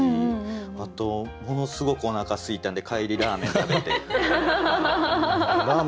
あとものすごくおなかすいたんで帰りラーメン食べて帰ります。